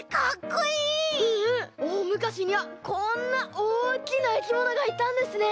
おおむかしにはこんなおおきないきものがいたんですね！